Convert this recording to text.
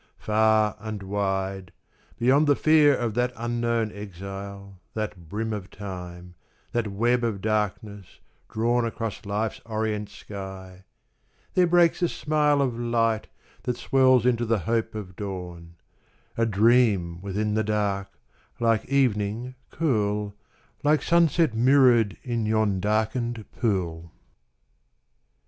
Far and wide, Beyond the fear of that unknown exile, That brim of Time, that web of darkness drawn Across Life's orient sky, there breaks a smile Of light that swells into the hope of dawn : A dream within the dark, like evening cool, Like sunset mirror'd in yon darken'd pool.